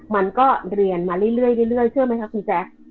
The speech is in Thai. มันก็เรียนมาเรื่อยเชื่อไหมคะคุณแจ๊ค